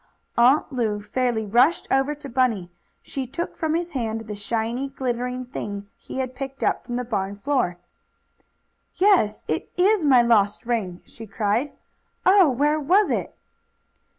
Aunt Lu fairly rushed over to Bunny. She took from his hand the shiny, glittering thing he had picked up from the barn floor. "Yes, it IS my lost diamond ring!" she cried. "Oh, where was it?"